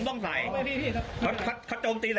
ลมไม่ว่ามันอยู่หลายที่นะ